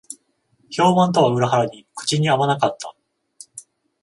評判とは裏腹に口に合わなかった